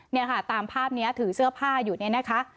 เนี่ยค่ะตามภาพนี้ถือเสื้อผ้าอยู่เนี่ยนะคะ